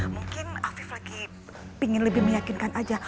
mungkin afif lagi pingin lebih meyakinkan aja